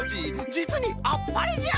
じつにあっぱれじゃ！